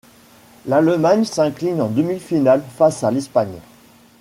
L'Allemagne s'incline en demi-finale face à l'Espagne.